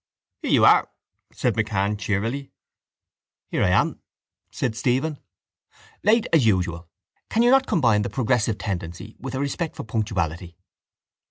—Here you are! said MacCann cheerily. —Here I am! said Stephen. —Late as usual. Can you not combine the progressive tendency with a respect for punctuality?